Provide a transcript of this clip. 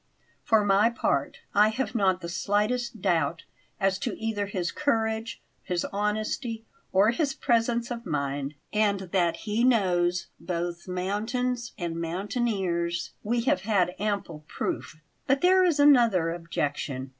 For my part, I have not the slightest doubt as to either his courage, his honesty, or his presence of mind; and that he knows both mountains and mountaineers we have had ample proof. But there is another objection.